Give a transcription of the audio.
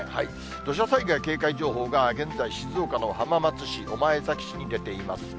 土砂災害警戒情報が現在、静岡の浜松市、御前崎市に出ています。